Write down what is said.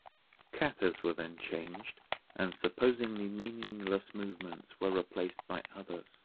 Kata’s were then changed, and supposedly “meaningless” movements replaced by others.